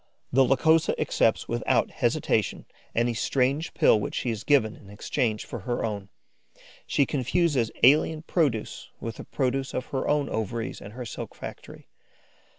The Lycosa accepts without hesitation any strange pill which she is, given in exchange for her own; she confuses alien produce with the produce of her ovaries and her silk factory.